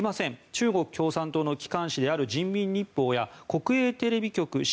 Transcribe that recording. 中国共産党の機関紙である人民日報や国営テレビ局